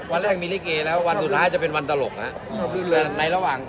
วันแรกมีนี่เกลียดแล้ววันสุดท้ายจะเป็นวันตลกนะ